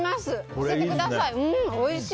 教えてください。